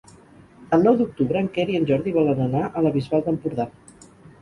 El nou d'octubre en Quer i en Jordi volen anar a la Bisbal d'Empordà.